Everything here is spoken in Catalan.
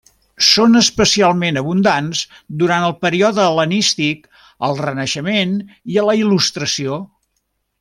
Són especialment abundants durant el període hel·lenístic, al Renaixement i a la Il·lustració.